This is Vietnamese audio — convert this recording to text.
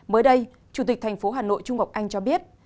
mới đây chủ tịch thành phố hà nội trung ngọc anh cho biết